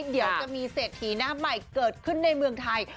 เดี๋ยวจะมีเศรษฐีหน้าใหม่เกิดขึ้นในเมืองไทย